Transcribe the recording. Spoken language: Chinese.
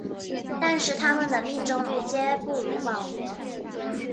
但是它们的命中率皆不如保罗。